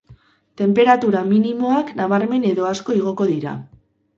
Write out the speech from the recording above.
Tenperatura minimoak nabarmen edo asko igoko dira.